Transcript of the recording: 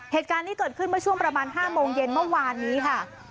เหตุการณ์นี้เกิดขึ้นเมื่อช่วงประมาณ๕โมงเย็นเมื่อวานนี้ค่ะ